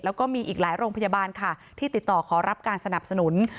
แล้วก็มีอีกหลายโรงพยาบาลค่ะที่ติดต่อขอรับการสนับสนุน